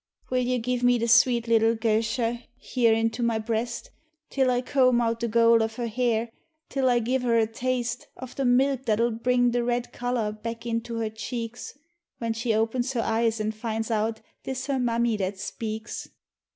Will you give me the sweet little girsha here into my breast Till I comb out the gold of her hair, till I give her a taste 88 MAURY'S VISION Of the milk that'll bring the red colour back into her cheeks When she opens her eyes an' finds out 'tis her mammy that speaks